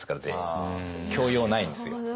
教養ないんですよ。